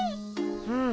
うん。